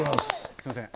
すみません。